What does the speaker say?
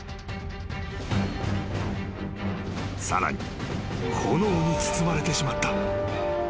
［さらに炎に包まれてしまった］